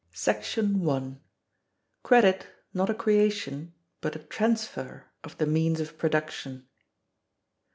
§ 1. Credit not a creation but a Transfer of the means of Production.